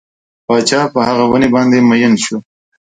پاچا په هغه ونې باندې مین شو.